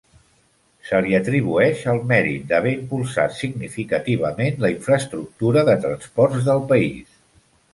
Se li atribueix el mèrit d'haver impulsat significativament la infraestructura de transports del país.